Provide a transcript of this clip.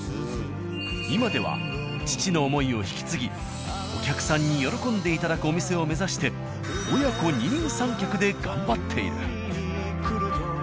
今では父の思いを引き継ぎお客さんに喜んでいただくお店を目指して親子二人三脚で頑張っている。